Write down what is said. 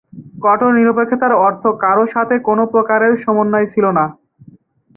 কঠোর নিরপেক্ষতার অর্থ কারও সাথে কোনও প্রকারের সমন্বয় ছিল না।